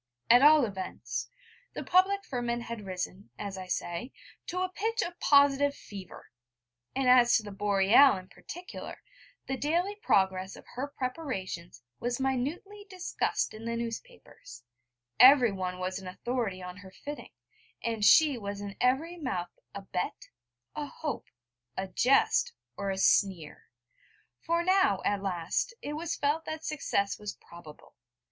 At all events, the public ferment had risen, as I say, to a pitch of positive fever; and as to the Boreal in particular, the daily progress of her preparations was minutely discussed in the newspapers, everyone was an authority on her fitting, and she was in every mouth a bet, a hope, a jest, or a sneer: for now, at last, it was felt that success was probable.